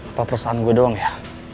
apa perusahaan gue doang ya